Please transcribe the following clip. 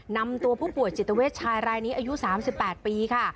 นำตัวผู้ป่วยจิตเวชชายรายนี้อายุ๓๘ปีค่ะ